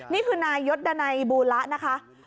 นี่คือนายยศดันัยบูละนะคะ